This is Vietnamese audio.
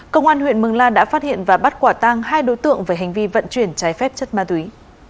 công an huyện mường la đã phát hiện và bắt quả tang hai đối tượng về hành vi vận chuyển trái phép chất ma túy